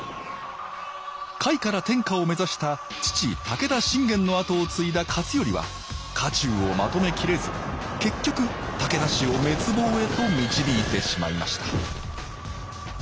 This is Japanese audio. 甲斐から天下を目指した父武田信玄の跡を継いだ勝頼は家中をまとめきれず結局武田氏を滅亡へと導いてしまいました